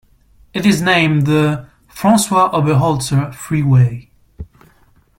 It is named the "Francois Oberholzer Freeway".